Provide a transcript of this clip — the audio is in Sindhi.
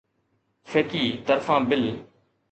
فيڪي طرفان بل